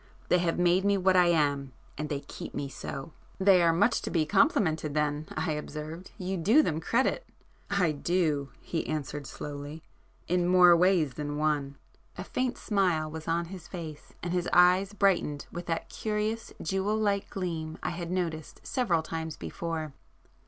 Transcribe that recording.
They have made me what I am, and they keep me so." "They are to be much complimented then,"—I observed—"You do them credit!" "I do!" he answered slowly—"In more ways than one!" A faint smile was on his face, and his eyes brightened with that curious jewel like gleam I had noticed several times before.